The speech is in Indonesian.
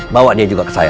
bawa dia juga ke saya